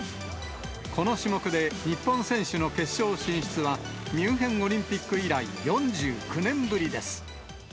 この種目で、日本選手の決勝進出は、ミュンヘンオリンピック以来４９年ぶりです。